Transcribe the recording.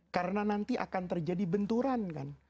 karena nanti akan terjadi benturan kan